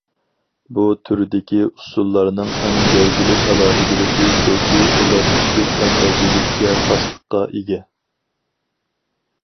بۇ تۈردىكى ئۇسسۇللارنىڭ ئەڭ گەۋدىلىك ئالاھىدىلىكى شۇكى، ئۇلار كۈچلۈك ئەنئەنىۋىلىككە، خاسلىققا ئىگە.